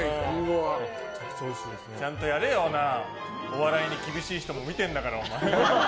ちゃんとやれよ、お笑いに厳しい人も見てるんだから。